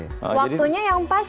waktunya yang pas